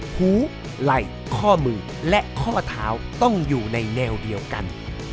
หูไหล่ข้อมือและข้อเท้าต้องอยู่ในแนวเดียวกัน